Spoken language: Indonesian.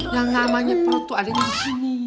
yang namanya perut tuh ada di sini